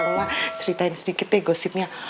iyaudah ma ceritain sedikit deh gosipnya